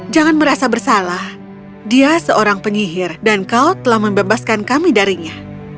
jangan merasa bersalah dia seorang penyihir dan kau telah membebaskan kami darinya